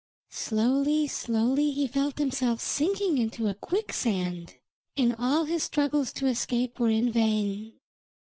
Slowly, slowly he felt himself sinking into a quicksand, and all his struggles to escape were in vain.